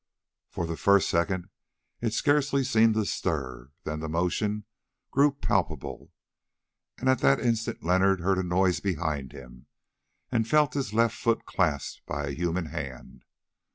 For the first second it scarcely seemed to stir, then the motion grew palpable, and at that instant Leonard heard a noise behind him and felt his left foot clasped by a human hand.